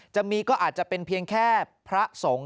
จะมีก็อาจจะเป็นเพียงแค่พระสงฆ์